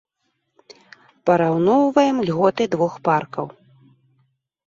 Параўноўваем льготы двух паркаў.